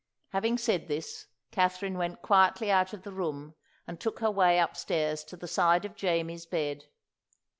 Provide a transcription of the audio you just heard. Having said this, Katherine went quietly out of the room and took her way upstairs to the side of Jamie's bed.